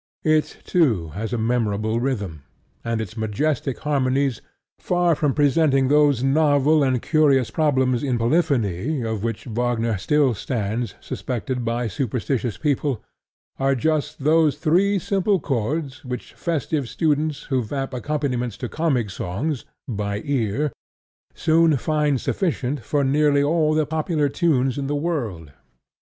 It, too, has a memorable rhythm; and its majestic harmonies, far from presenting those novel or curious problems in polyphony of which Wagner still stands suspected by superstitious people, are just those three simple chords which festive students who vamp accompaniments to comic songs "by ear" soon find sufficient for nearly all the popular tunes in the world.